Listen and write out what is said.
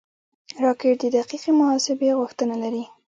راکټ د دقیقې محاسبې غوښتنه لري